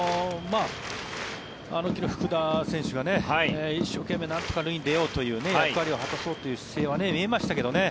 昨日、福田選手が一生懸命なんとか塁に出ようという役割を果たそうという姿勢は見えましたけどね。